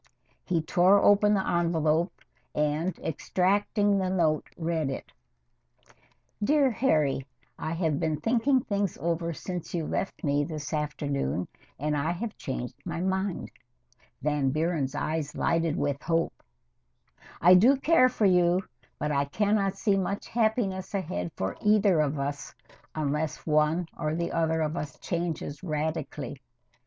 He tore open the envelope and, extracting the note, read it: Dear Harry I have been thinking things over since you left me this afternoon and I have changed my mind. [Van Buren's eyes lighted with hope.] I do care for you, but I can not see much happiness ahead for either of us unless one or the other of us changes radically.